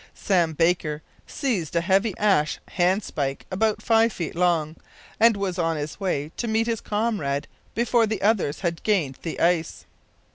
Sam Baker seized a heavy ash handspike about five feet long, and was on his way to meet his comrade before the others had gained the ice.